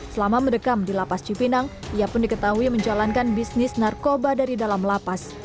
selama mendekam di lapas cipinang ia pun diketahui menjalankan bisnis narkoba dari dalam lapas